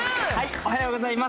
おはようございます。